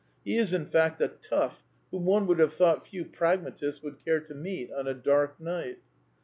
He is, in fact, a " tough " whom one would have thought few pragmatists would care to meet on a dark night.